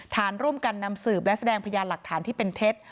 ฐานร่วมกันนำสืบและแสดงพยานหลักฐานที่เป็นเท็จ